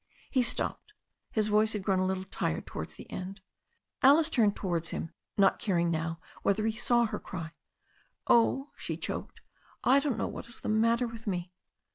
He stopped. His voice had grown a little tired towards the end. Alice turned towards him, not caring now whether he saW her cry, "Oh," she choked, "I don't know what is the matter with me."